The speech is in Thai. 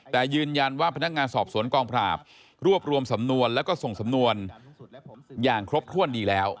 แต่ยืนยันว่าพนักงานสอบสวนกองปราบรวบรวมสำนวนแล้วก็ส่งสำนวนอย่างครบถ้วนดีแล้ว